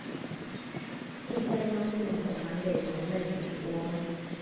現在將鏡頭還給棚內主播